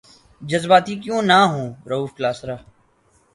جذباتی کیوں نہ ہوں رؤف کلاسرا